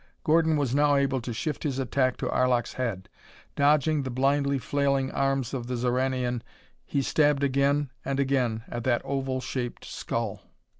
Gordon was now able to shift his attack to Arlok's head. Dodging the blindly flailing arms of the Xoranian, he stabbed again and again at that oval shaped skull.